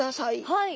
はい。